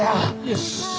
よし！